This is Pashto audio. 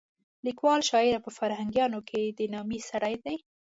لیکوال، شاعر او په فرهنګیانو کې د نامې سړی دی.